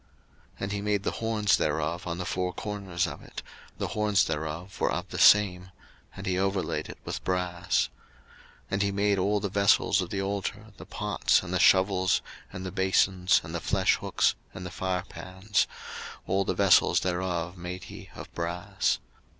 02:038:002 And he made the horns thereof on the four corners of it; the horns thereof were of the same: and he overlaid it with brass. 02:038:003 And he made all the vessels of the altar, the pots, and the shovels, and the basons, and the fleshhooks, and the firepans: all the vessels thereof made he of brass.